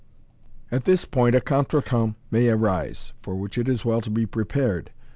At this point a contretemps may arise, for which it is well to be prepared.